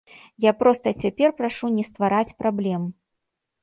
Я проста цяпер прашу не ствараць праблем.